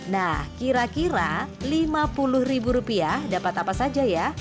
nah kira kira lima puluh ribu rupiah dapat apa saja ya